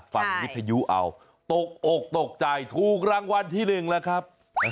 วิทยุเอาตกอกตกใจถูกรางวัลที่๑แล้วครับ